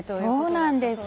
そうなんです。